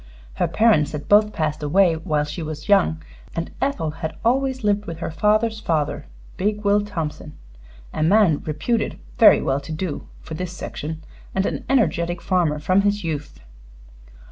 Her parents had both passed away while she was young, and Ethel had always lived with her father's father, big Will Thompson, a man reputed very well to do for this section, and an energetic farmer from his youth.